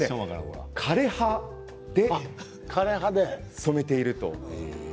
枯れ葉で染めているんです。